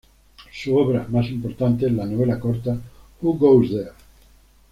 Su obra más importante es la novela corta "Who Goes There?